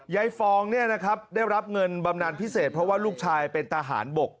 ฟองได้รับเงินบำนานพิเศษเพราะว่าลูกชายเป็นทหารบก